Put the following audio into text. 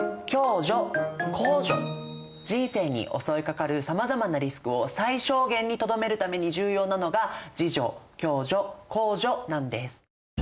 人生に襲いかかるさまざまなリスクを最小限にとどめるために重要なのが自助・共助・公助なんです。